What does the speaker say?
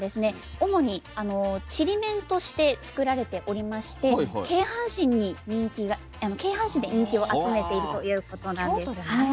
主にちりめんとして作られておりまして京阪神で人気を集めているということなんです。